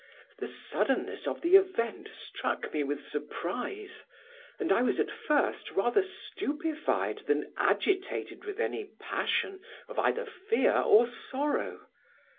The suddenness of the event struck me with surprise, and I was at first rather stupefied than agitated with any passion of either fear or sorrow.